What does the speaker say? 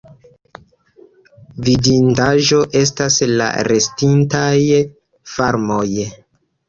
Vidindaĵo estas la restintaj farmoj.